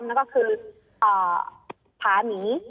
แล้วก็คือภาหมี